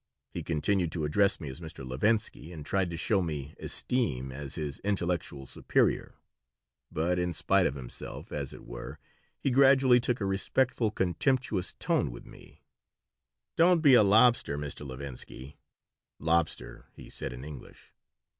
He continued to address me as Mr. Levinsky and tried to show me esteem as his intellectual superior, but, in spite of himself, as it were, he gradually took a respectfully contemptuous tone with me "Don't be a lobster, Mr. Levinsky." (" Lobster" he said in English.)